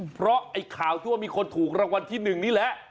เพราะไอ้ข่าวที่ว่ามีคนถูกรางวัลที่๑นี่แหละ